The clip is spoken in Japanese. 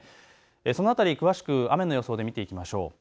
その辺り詳しく雨の予想で見ていきましょう。